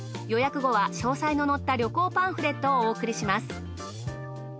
予約後は詳細の載った旅行パンフレットをお送りします。